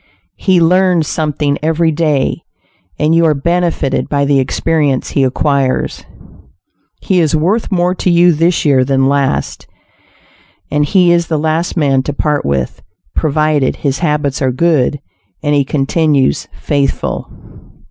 He learns something every day; and you are benefited by the experience he acquires. He is worth more to you this year than last, and he is the last man to part with, provided his habits are good, and he continues faithful.